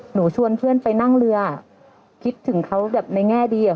ชวนเพื่อนไปนั่งเรือคิดถึงเขาแบบในแง่ดีอ่ะ